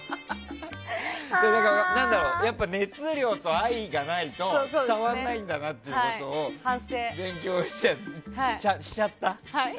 やっぱり熱量と愛がないと伝わらないんだなということを勉強しちゃった。